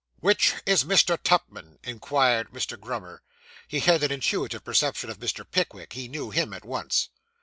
'Which is Mr. Tupman?' inquired Mr. Grummer. He had an intuitive perception of Mr. Pickwick; he knew him at once.